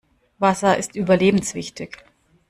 Wasser ist überlebenswichtig.